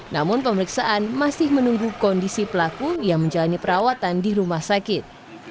namun pemeriksaan masih menunggu kondisi pelaku yang menjalani perawatan di rumah sakit